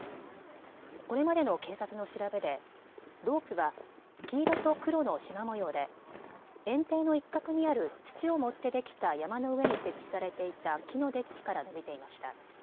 これまでの警察の調べでロープは黄色と黒のしま模様で園庭の一角にある土を盛ってできた山の上に設置されていた木のデッキから伸びていました。